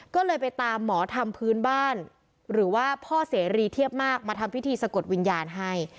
ก็เลยไปตามหมอธรรมพื้นบ้านหรือว่าพ่อเสรีเทียบมากมาทำพิธีสะกดวิญญาณให้